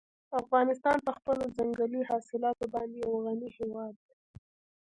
افغانستان په خپلو ځنګلي حاصلاتو باندې یو غني هېواد دی.